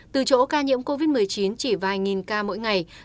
từ chỗ ca nhiễm covid một mươi chín chỉ vài nghìn ca mỗi ngày